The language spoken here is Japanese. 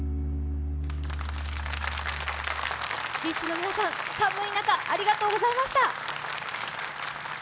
ＢｉＳＨの皆さん、寒い中ありがとうございました！